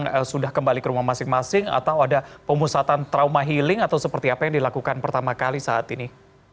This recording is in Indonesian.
apakah sudah kembali ke rumah masing masing atau ada pemusatan trauma healing atau seperti apa yang dilakukan pertama kali saat ini